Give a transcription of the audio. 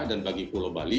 dan bagi pulau bali